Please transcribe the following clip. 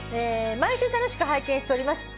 「毎週楽しく拝見しております。